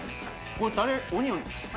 これタレオニオン？